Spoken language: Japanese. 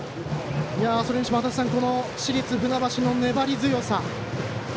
それにしても、足達さん市立船橋の粘り強さ。